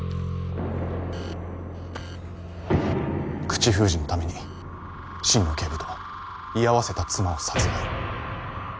口封じのために心野警部と居合わせた妻を殺害。